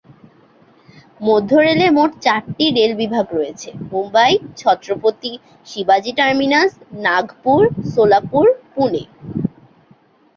মধ্য রেলে মোট চারটি রেল বিভাগ রয়েছে: মুম্বই ছত্রপতি শিবাজী টার্মিনাস, নাগপুর, সোলাপুর, পুনে।